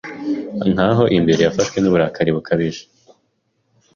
Nkaho imbere yafashwe nuburakari bukabije